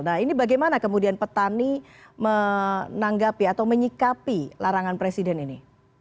nah ini bagaimana kemudian petani menanggapi atau menyikapi larangan presiden ini